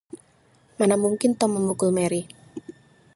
Mana mungkin Tom memukul Mary.